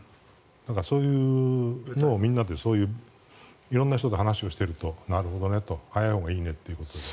そういうのをみんなで色んな人と話をしているとなるほどねと早いほうがいいねということで。